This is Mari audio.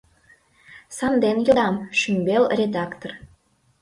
Санден йодам, шӱмбел редактор